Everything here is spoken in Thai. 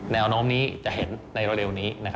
แนวโน้มนี้จะเห็นในเร็วนี้